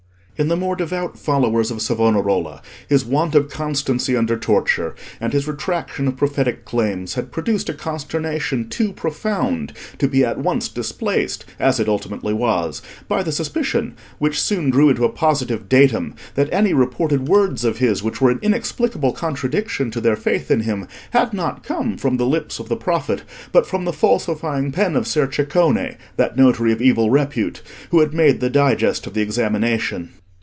In the more devout followers of Savonarola his want of constancy under torture, and his retraction of prophetic claims, had produced a consternation too profound to be at once displaced as it ultimately was by the suspicion, which soon grew into a positive datum, that any reported words of his which were in inexplicable contradiction to their faith in him, had not come from the lips of the prophet, but from the falsifying pen of Ser Ceccone, that notary of evil repute, who had made the digest of the examination.